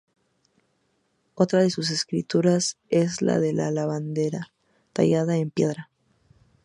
Otra de sus esculturas es la de la lavandera, tallada en piedra.